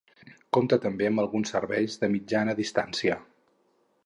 Compta també amb alguns serveis de mitjana distància.